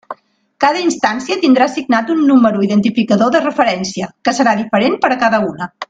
Cada instància tindrà assignat un número identificador de referència, que serà diferent per a cada una.